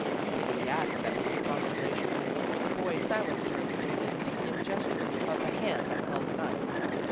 Peggy gasped an expostulation. The boy silenced her with a vindictive gesture of the hand that held the knife.